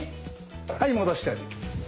はい戻して。